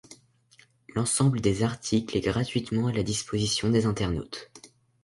L'ensemble des articles est gratuitement à la disposition des internautes.